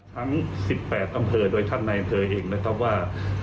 ทั้ง๑๘อำเภอโดยท่านในอำเภอเองนะครับว่า